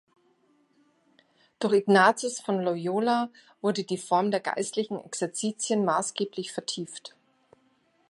Durch Ignatius von Loyola wurde die Form der Geistlichen Exerzitien maßgeblich vertieft.